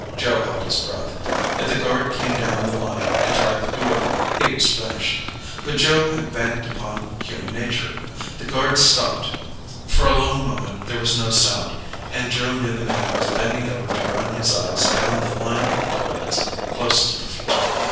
Joe held his breath. If the guard came down the line and tried the door, he was finished. But Joe had banked upon human nature. The guard stopped. For a long moment there was no sound and Joe knew the man was bending over to run his eyes down the line of toilets close to the floor.